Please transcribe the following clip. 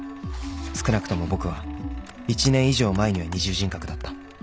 少なくとも僕は１年以上前には二重人格だった